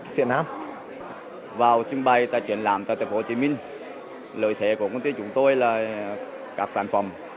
của tp hcm vào trung bày tại truyền làm tại tp hcm lợi thể của quốc tế chúng tôi là các sản phẩm